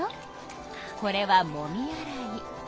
これはもみ洗い。